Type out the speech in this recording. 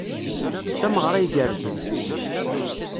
D tameɣra igerrzen.